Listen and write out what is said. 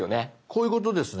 こういうことですね。